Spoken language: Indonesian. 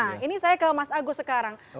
nah ini saya ke mas agus sekarang